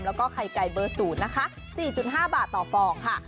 แล้วก็ไข่ไก่เบอร์๐นะคะ๔๕บาทต่อฟองค่ะ